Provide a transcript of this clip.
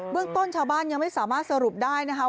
เรื่องต้นชาวบ้านยังไม่สามารถสรุปได้นะคะ